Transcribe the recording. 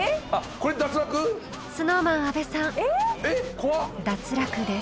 ［ＳｎｏｗＭａｎ阿部さん脱落です］